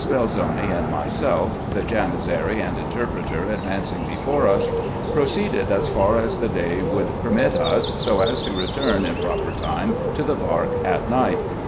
Belzoni and myself (the Janizary and interpreter advancing before us) proceeded as far as the day would permit us, so as to return in proper time to the bark at night.